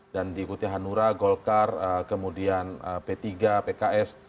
dan diikuti hanura golkar kemudian p tiga pks